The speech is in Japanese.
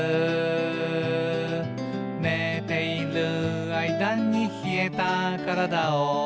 「寝ている間に冷えた体を」